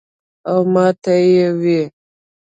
او ماته ئې وې ـ "